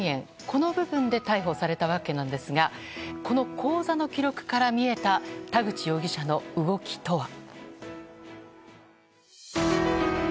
この部分で逮捕されたわけなんですがこの口座の記録から見えた田口容疑者の動きとは。